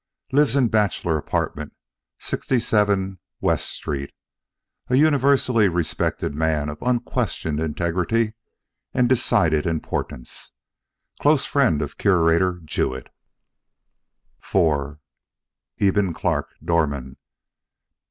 Lives in bachelor apartment, 67 W. Street. A universally respected man of unquestioned integrity and decided importance. Close friend of Curator Jewett. IV Eben Clarke, door man.